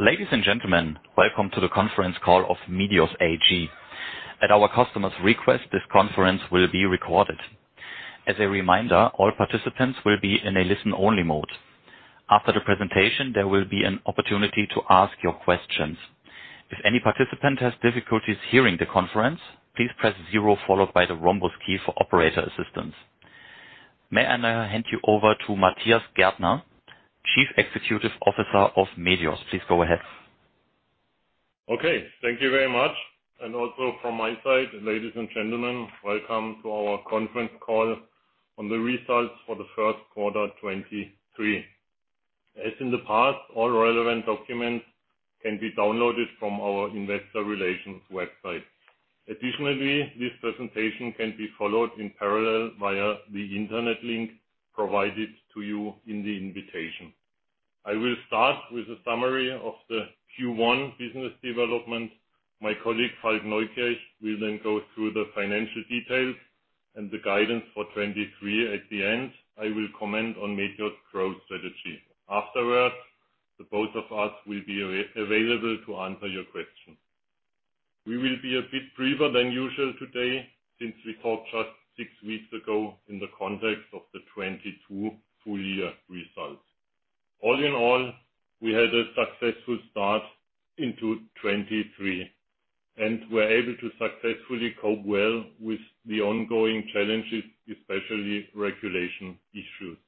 Ladies and gentlemen, welcome to the conference call of Medios AG. At our customer's request, this conference will be recorded. As a reminder, all participants will be in a listen-only mode. After the presentation, there will be an opportunity to ask your questions. If any participant has difficulties hearing the conference, please press zero followed by the rhombus key for operator assistance. May I now hand you over to Matthias Gärtner, Chief Executive Officer of Medios. Please go ahead. Okay, thank you very much. Also from my side, ladies and gentlemen, welcome to our conference call on the results for the first quarter 2023. As in the past, all relevant documents can be downloaded from our Investor Relations website. Additionally, this presentation can be followed in parallel via the internet link provided to you in the invitation. I will start with a summary of the Q1 business development. My colleague, Falk Neukirch, will then go through the financial details and the guidance for 2023. At the end, I will comment on Medios growth strategy. Afterwards, the both of us will be available to answer your questions. We will be a bit briefer than usual today since we talked just six weeks ago in the context of the 2022 full year results. All in all, we had a successful start into 2022. We were able to successfully cope well with the ongoing challenges, especially regulation issues.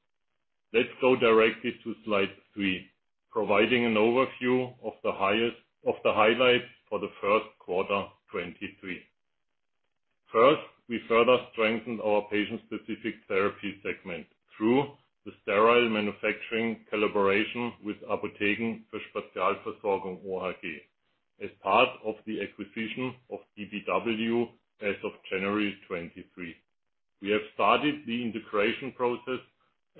Let's go directly to slide three, providing an overview of the highlights for the first quarter 2023. First, we further strengthened our Patient-Specific Therapies segment through the sterile manufacturing collaboration with Apotheken für Spezialversorgungen OHG as part of the acquisition of bbw as of January 2023. We have started the integration process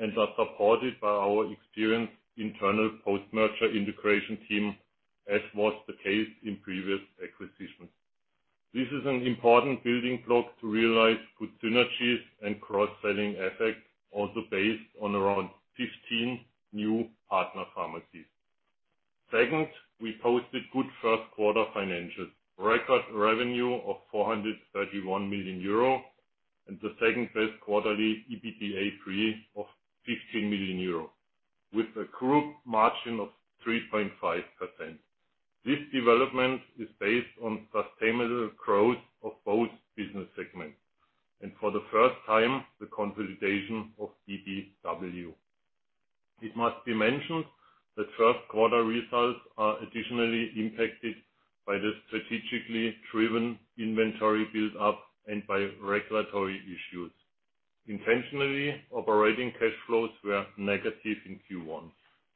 and are supported by our experienced internal post-merger integration team, as was the case in previous acquisitions. This is an important building block to realize good synergies and cross-selling effect, also based on around 15 new partner pharmacies. Second, we posted good first quarter financials. Record revenue of 431 million euro and the second best quarterly EBITDA pre of 15 million euro with a group margin of 3.5%. This development is based on sustainable growth of both business segments, and for the first time, the consolidation of bbw. It must be mentioned the first quarter results are additionally impacted by the strategically driven inventory build-up and by regulatory issues. Intentionally, operating cash flows were negative in Q1.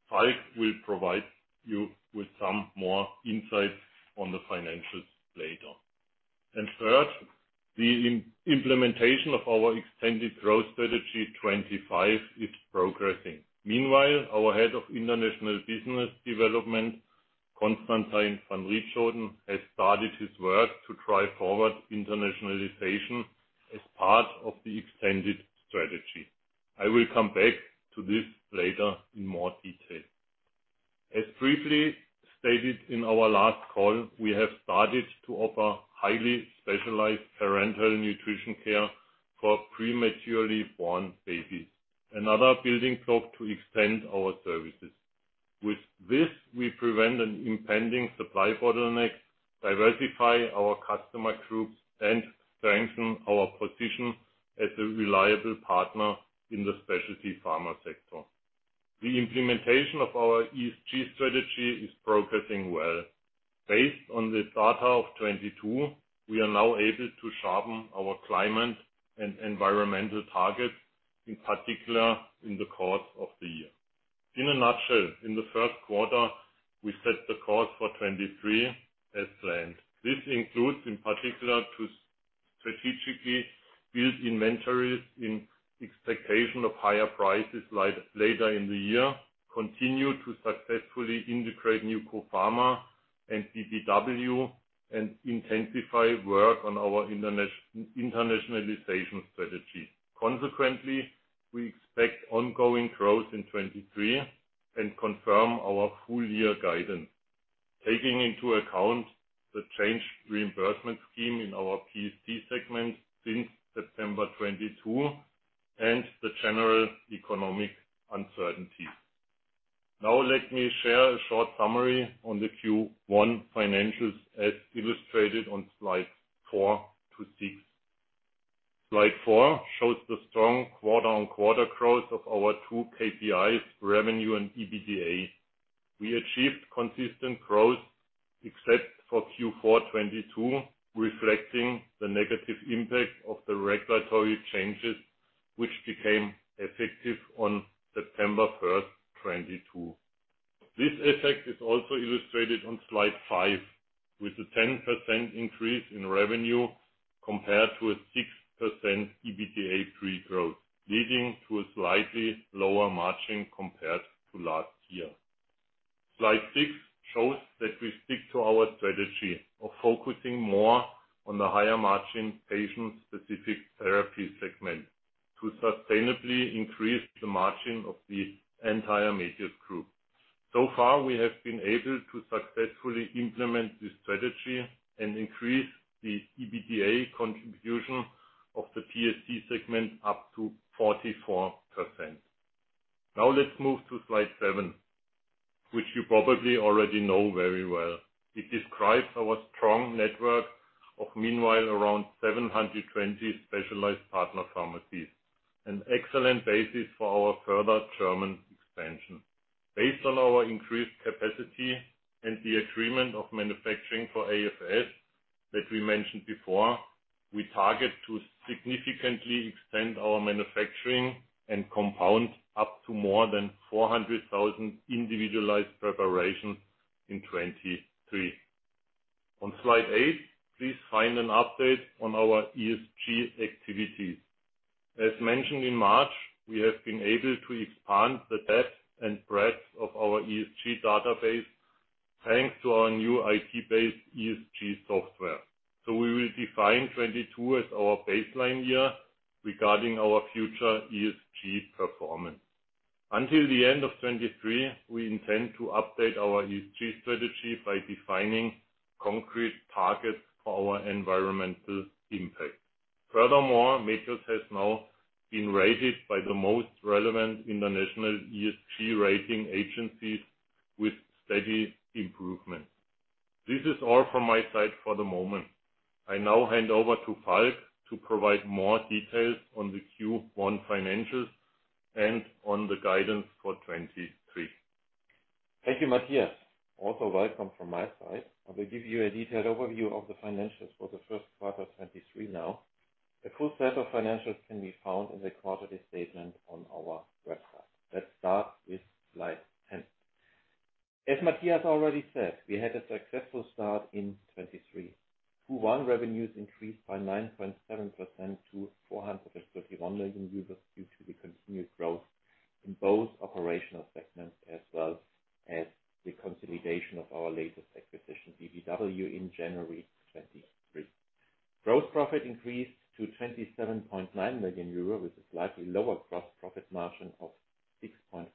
Falk will provide you with some more insights on the financials later. Third, the implementation of our extended growth strategy 2025 is progressing. Meanwhile, our Head of International Business Development, Constantijn van Rietschoten, has started his work to drive forward internationalization as part of the extended strategy. I will come back to this later in more detail. As briefly stated in our last call, we have started to offer highly specialized parenteral nutrition care for prematurely born babies. Another building block to extend our services. With this, we prevent an impending supply bottleneck, diversify our customer groups, and strengthen our position as a reliable partner in the Specialty Pharma sector. The implementation of our ESG strategy is progressing well. Based on the data of 2022, we are now able to sharpen our climate and environmental targets, in particular in the course of the year. In a nutshell, in the first quarter, we set the course for 2023 as planned. This includes, in particular, to strategically build inventories in expectation of higher prices later in the year, continue to successfully integrate NewCo Pharma and bbw, and intensify work on our internationalization strategy. Consequently, we expect ongoing growth in 2023 and confirm our full year guidance, taking into account the changed reimbursement scheme in our PST segment since September 2022 and the general economic uncertainty. Let me share a short summary on the Q1 financials as illustrated on slides four to six. Slide four shows the strong quarter-on-quarter growth of our two KPIs, revenue and EBITDA. We achieved consistent growth except for Q4 2022, reflecting the negative impact of the regulatory changes which became effective on September 1st, 2022. This effect is also illustrated on slide 5 with a 10% increase in revenue compared to a 6% EBITDA pre growth, leading to a slightly lower margin compared to last year. Slide 6 shows that we stick to our strategy of focusing more on the higher margin Patient-Specific Therapies segment, to sustainably increase the margin of the entire Medios Group. Far, we have been able to successfully implement this strategy and increase the EBITDA contribution of the PST segment up to 44%. Let's move to slide seven, which you probably already know very well. It describes our strong network of meanwhile around 720 specialized partner pharmacies, an excellent basis for our further German expansion. Based on our increased capacity and the agreement of manufacturing for AFS that we mentioned before, we target to significantly extend our manufacturing and compound up to more than 400,000 individualized preparations in 2023. On slide eight, please find an update on our ESG activities. As mentioned in March, we have been able to expand the depth and breadth of our ESG database, thanks to our new IT-based ESG software. We will define 2022 as our baseline year regarding our future ESG performance. Until the end of 2023, we intend to update our ESG strategy by defining concrete targets for our environmental impact. Furthermore, Medios has now been rated by the most relevant international ESG rating agencies with steady improvement. This is all from my side for the moment. I now hand over to Falk to provide more details on the Q1 financials and on the guidance for 2023. Thank you, Matthias. Welcome from my side. I will give you a detailed overview of the financials for the first quarter of 2023 now. A full set of financials can be found in the quarterly statement on our website. Let's start with slide 10. As Matthias already said, we had a successful start in 2023. Q1 revenues increased by 9.7% to 431 million due to the continued growth in both operational segments, as well as the consolidation of our latest acquisition, bbw, in January 2023. Gross profit increased to 27.9 million euro, with a slightly lower gross profit margin of 6.5%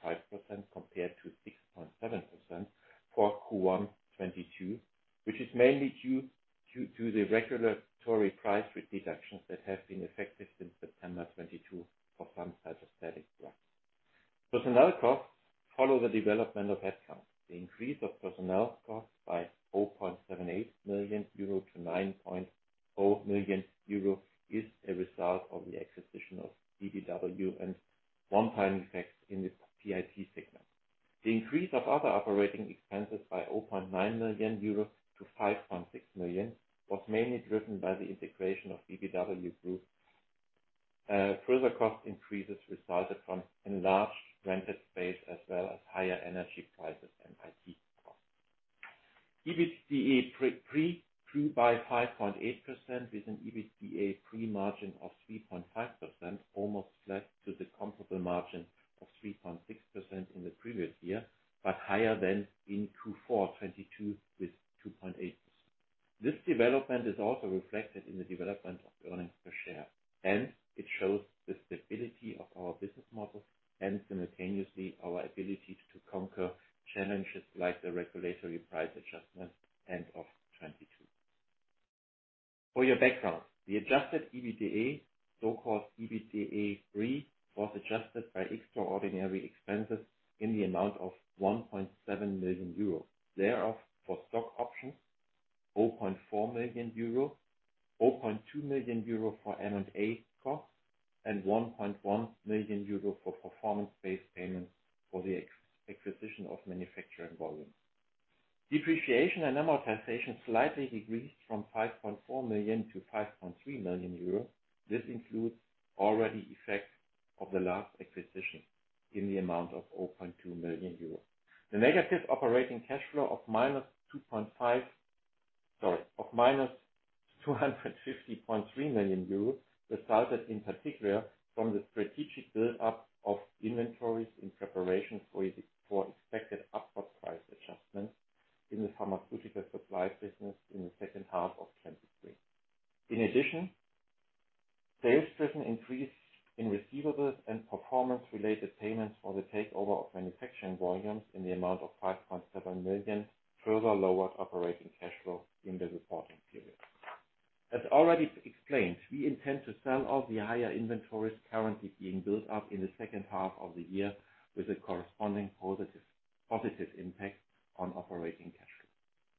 compared to 6.7% for Q1 2022, which is mainly due to the integration of bbw Group. Further cost increases resulted from enlarged rented space as well as higher energy prices and IT costs. EBITDA pre-grew by 5.8%, with an EBITDA pre-margin of 3.5%, almost flat to the comparable margin of 3.6% in the previous year, but higher than in Q4 2022 with 2.8%. This development is also reflected in the development of earnings per share. It shows the stability of our business model and simultaneously our ability to conquer challenges like the regulatory price adjustments end of 2022. For your background, the adjusted EBITDA, so-called EBITDA pre, was adjusted by extraordinary expenses in the amount of 1.7 million euro. Thereof, for stock options, 0.4 million euro, 0.2 million euro for M&A costs, and 1.1 million euro for performance-based payments for the acquisition of manufacturing volumes. Depreciation and amortization slightly decreased from 5.4 million-5.3 million euro. This includes already effect of the last acquisition in the amount of 0.2 million euros. The negative operating cash flow of minus 250.3 million euros resulted in particular from the strategic build-up of inventories in preparation for expected upward price adjustments in the Pharmaceutical Supply business in the second half of 2023. Sales driven increase in receivables and performance-related payments for the takeover of manufacturing volumes in the amount of 5.7 million EUR further lowered operating cash flow in the reporting period. As already explained, we intend to sell all the higher inventories currently being built up in the second half of the year with a corresponding positive impact on operating cash flow.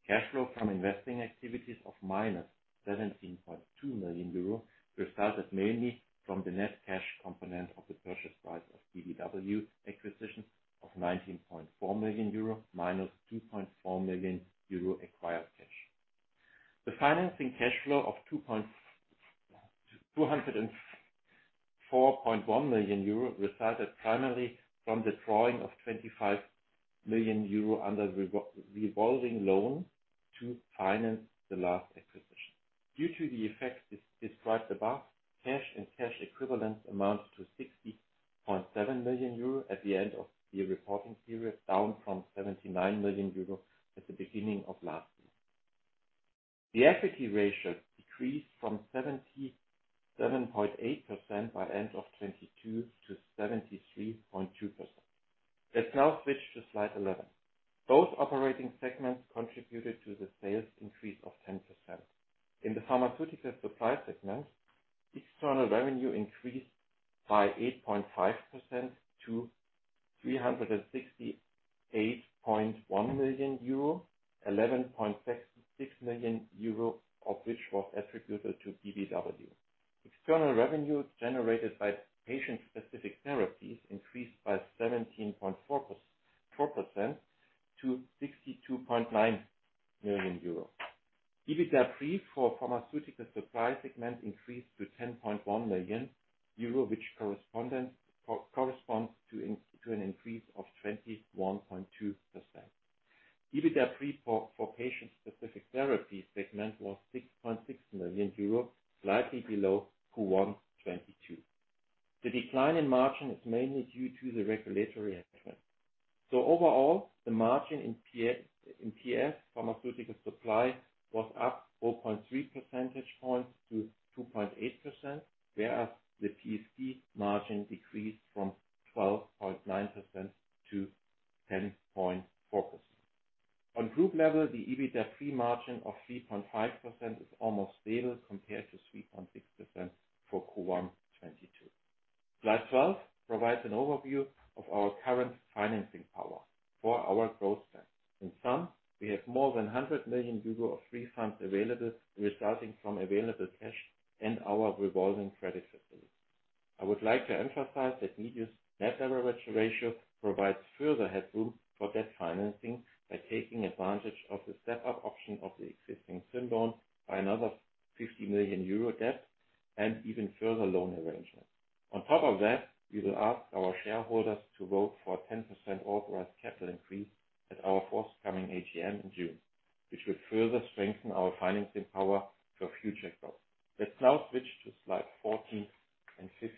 Cash flow from investing activities of minus 17.2 million euro resulted mainly from the net cash component of the purchase price of bbw acquisition of 19.4 million euro, minus 2.4 million euro acquired cash. The financing cash flow of 204.1 million euro resulted primarily from the drawing of 25 million euro under revolving loan to finance the last acquisition. Due to the effects described above, cash and cash equivalents amount to 60.7 million euro at the end of the reporting period, down from 79 million euro at the beginning of last year. The equity ratio decreased from 77.8% by end of 2022 to 73.2%. Let's now switch to slide 11. Both operating segments contributed to the sales increase of 10%. In the Pharmaceutical Supply segment, external revenue increased by 8.5% to 368.1 million euro, 11.66 million euro of which was attributed to bbw. External revenue generated by Patient-Specific Therapies increased by 17.4% to 62.9 million euro. EBITDA pre for Pharmaceutical Supply segment increased to 10.1 million euro, which corresponds to an increase of 21.2%. EBITDA pre for Patient-Specific Therapies segment was 6.6 million euros, slightly below Q1 2022. The decline in margin is mainly due to the regulatory effect. Overall, the margin in PS, Pharmaceutical Supply, was up 4.3 percentage points to 2.8%, whereas the PST margin decreased from 12.9% -10.4%. On group level, the EBITDA pre-margin of 3.5% is almost stable compared to 3.6% for Q1 2022. Slide 12 provides an overview of our current financing power for our growth plans. In sum, we have more than 100 million euro of free funds available, resulting from available cash and our revolving credit facility. I would like to emphasize that Medios net leverage ratio provides further headroom for debt financing by taking advantage of the step up option of the existing twin bond by another 50 million euro debt and even further loan arrangement. On top of that, we will ask our shareholders to vote for a 10% authorized capital increase at our forthcoming AGM in June, which would further strengthen our financing power for future growth. Let's now switch to slide 14 and 15.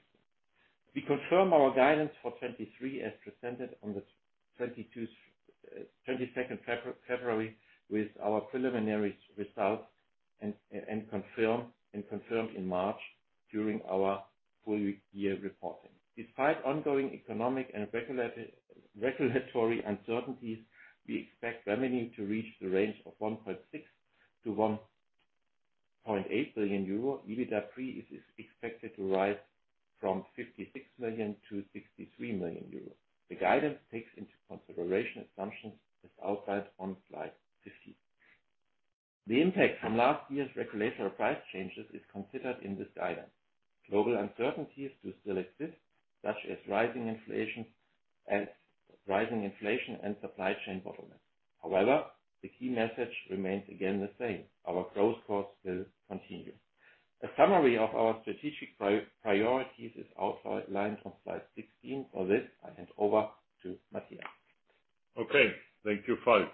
We confirm our guidance for 2023 as presented on the 22nd February with our preliminary results and confirmed in March during our full year reporting. Despite ongoing economic and regulatory uncertainties, we expect revenue to reach the range of 1.6 billion-1.8 billion euro. EBITDA pre is expected to rise from 56 million to 63 million euro. The guidance takes into consideration assumptions as outlined on slide 15. The impact from last year's regulatory price changes is considered in this guidance. Global uncertainties do still exist, such as rising inflation and supply chain bottlenecks. However, the key message remains again the same. Our growth course will continue. A summary of our strategic priorities is outlined on slide 16. For this, I hand over to Matthias. Okay, thank you, Falk.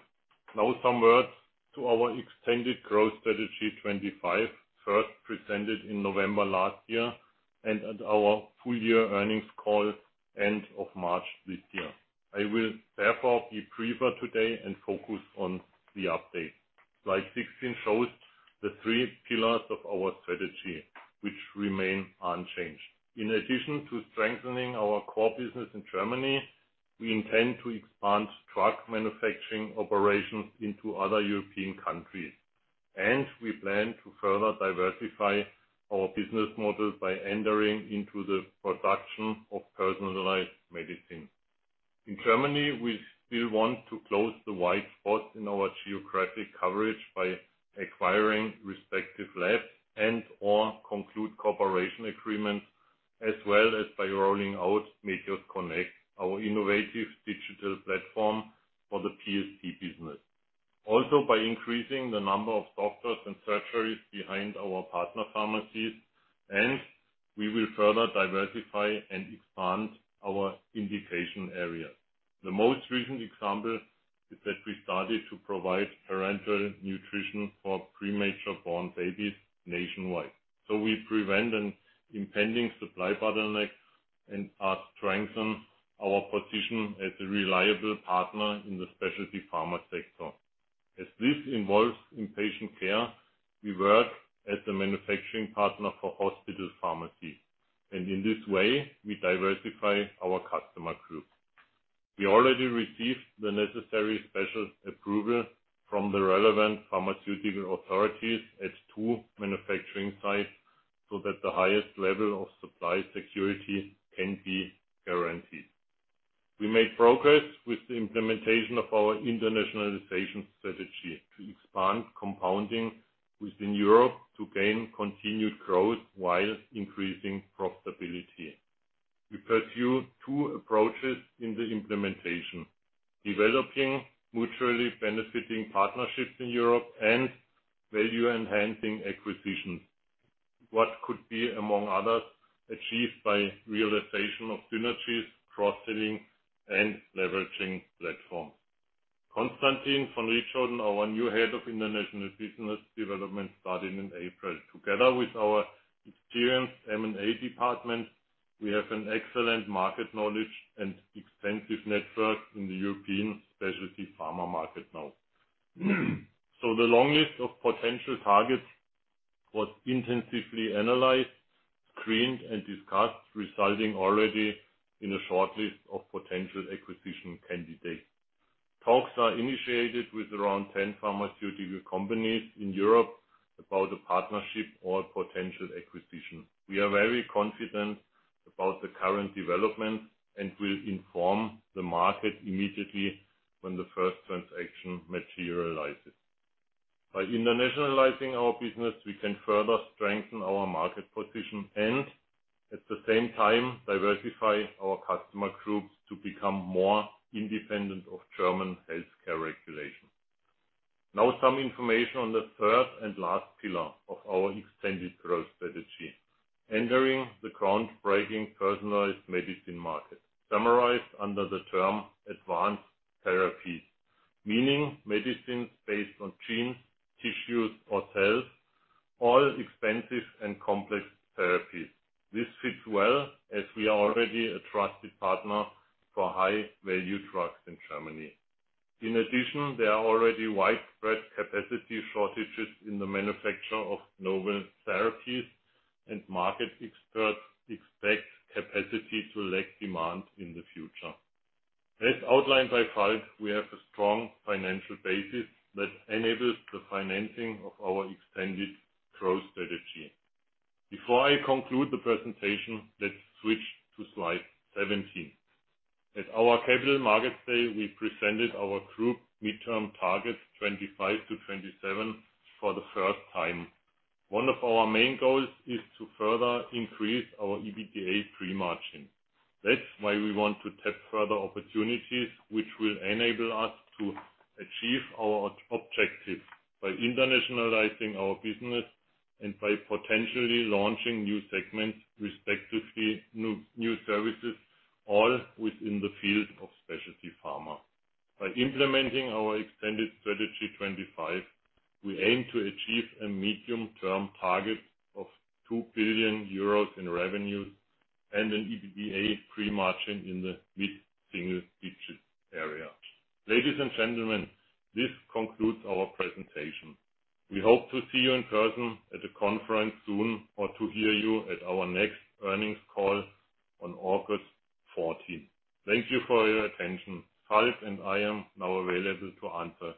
Now some words to our extended growth strategy 2025, first presented in November last year and at our full year earnings call end of March this year. I will therefore be briefer today and focus on the update. Slide 16 shows the three pillars of our strategy, which remain unchanged. In addition to strengthening our core business in Germany, we intend to expand drug manufacturing operations into other European countries, and we plan to further diversify our business model by entering into the production of personalized medicine. In Germany, we still want to close the wide spots in our geographic coverage by acquiring respective labs and/or conclude cooperation agreements, as well as by rolling out mediosconnect, our innovative digital platform for the PST business. By increasing the number of doctors and surgeries behind our partner pharmacies, and we will further diversify and expand our indication area. The most recent example is that we started to provide parenteral nutrition for premature-born babies nationwide. We prevent an impending supply bottleneck and strengthen our position as a reliable partner in the Specialty Pharma sector. As this involves inpatient care, we work as the manufacturing partner for hospital pharmacy, and in this way, we diversify our customer group. We already received the necessary special approval from the relevant pharmaceutical authorities at two manufacturing sites, so that the highest level of supply security can be guaranteed. We made progress with the implementation of our internationalization strategy to expand compounding within Europe to gain continued growth while increasing profitability. We pursue two approaches in the implementation, developing mutually benefiting partnerships in Europe and value-enhancing acquisitions. What could be, among others, achieved by realization of synergies, cross-selling, and leveraging platforms. Constantijn van Rietschoten, our new head of international business development, started in April. Together with our M&A department, we have an excellent market knowledge and extensive network in the European Specialty Pharma market now. The long list of potential targets was intensively analyzed, screened, and discussed, resulting already in a short list of potential acquisition candidates. Talks are initiated with around 10 pharmaceutical companies in Europe about a partnership or potential acquisition. We are very confident about the current development and will inform the market immediately when the first transaction materializes. By internationalizing our business, we can further strengthen our market position and at the same time diversify our customer groups to become more independent of German healthcare regulation. Some information on the third and last pillar of our Extended Growth Strategy. Entering the groundbreaking personalized medicine market, summarized under the term advanced therapies, meaning medicines based on genes, tissues or cells, all expensive and complex therapies. This fits well as we are already a trusted partner for high value drugs in Germany. In addition, there are already widespread capacity shortages in the manufacture of novel therapies, and market experts expect capacity to lack demand in the future. As outlined by Falk, we have a strong financial basis that enables the financing of our extended growth strategy. Before I conclude the presentation, let's switch to slide 17. At our Capital Markets Day, we presented our group midterm targets 2025-2027 for the first time. One of our main goals is to further increase our EBITDA pre-margin. That's why we want to tap further opportunities, which will enable us to achieve our objectives by internationalizing our business and by potentially launching new segments, respectively, new services, all within the field of Specialty Pharma. By implementing our extended growth strategy 2025, we aim to achieve a medium-term target of 2 billion euros in revenue and an EBITDA pre-margin in the mid-single digits % area. Ladies and gentlemen, this concludes our presentation. We hope to see you in person at a conference soon or to hear you at our next earnings call on August 14th. Thank you for your attention. Falk and I are now available to answer your questions. Operator, could you please read out the instructions?